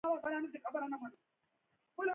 کرکټ د فټنس، صبر، او پلان جوړوني لوبه ده.